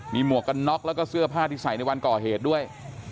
มีหมวกกันน็อกแล้วก็เสื้อผ้าที่ใส่ในวันก่อเหตุด้วย